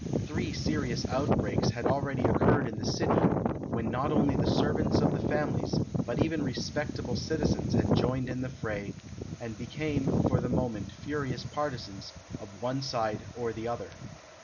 Three serious outbreaks had already occurred in the city, when not only the servants of the families, but even respectable citizens had joined in the fray, and became for the moment furious partisans of one side or the other.